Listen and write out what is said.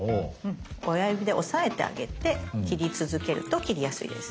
親指で押さえてあげて切り続けると切りやすいです。